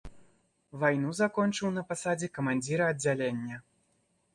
Вайну закончыў на пасадзе камандзіра аддзялення.